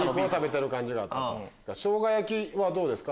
「しょうがやき」どうですか？